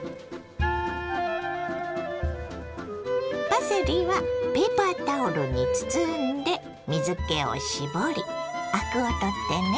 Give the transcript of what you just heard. パセリはペーパータオルに包んで水けを絞りアクを取ってね。